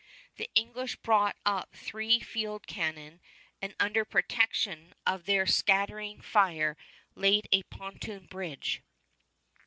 The English brought up three field cannon and under protection of their scattering fire laid a pontoon bridge.